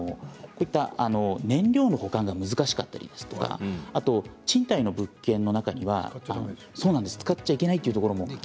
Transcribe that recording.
こういった燃料の保管が難しかったりですとか賃貸の物件の中には使っちゃいけないというところも。